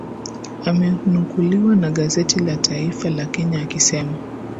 amenukuliwa na gazeti la Taifa la Kenya akisema